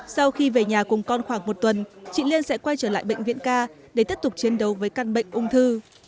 sau khi về nhà cùng con khoảng một tuần chị liên sẽ quay trở lại bệnh viện ca để tiếp tục chiến đấu với căn bệnh ung thư